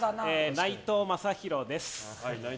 内藤正浩です。